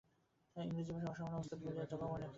ইংরেজি-ভাষায় অসামান্য ওস্তাদ বলিয়া জগমোহনের খ্যাতি।